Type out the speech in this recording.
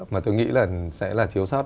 mà tôi nghĩ là sẽ là thiếu sót